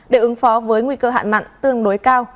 để ứng phó với nguy cơ hạn mặn tương đối cao